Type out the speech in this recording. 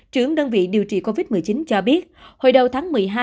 trưởng đơn vị điều trị covid một mươi chín cho biết hồi đầu tháng một mươi hai